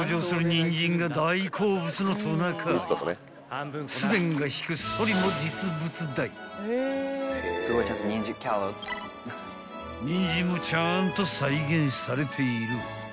［ニンジンもちゃんと再現されている］